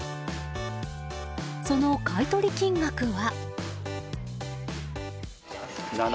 その買い取り金額は。